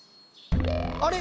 あれ？